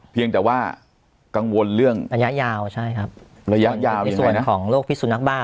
เพียงแต่ว่ากังวลเรื่องระยะยาวใช่ครับระยะยาวในส่วนของโรคพิษสุนักบ้า